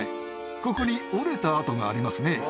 ここに折れた痕がありますね。